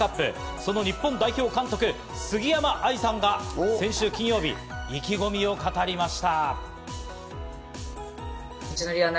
その日本代表監督・杉山愛さんが先週金曜日、意気込みを語りました。